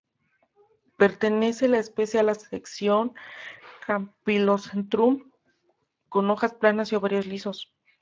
Pertenece la especie a la sección "Campylocentrum" con hojas planas y ovarios lisos.